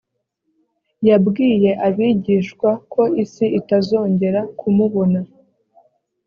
yabwiye abigishwa ko isi itazongera kumubona